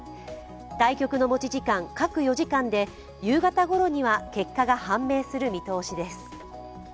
対局の持ち時間各４時間で夕方ごろには結果が判明する見通しです。